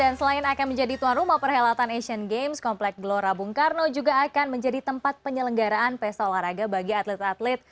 dan selain akan menjadi tuan rumah perhelatan asian games komplek gelora bung karno juga akan menjadi tempat penyelenggaraan pesta olahraga bagi atlet atlet